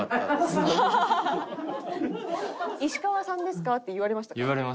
「石川さんですか？」って言われましたか？